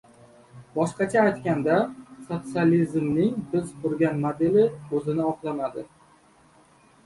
Boshqacha aytganda, sotsializmning biz qurgan modeli o‘zini oqlamadi.